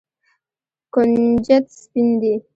کنجد سپین دي.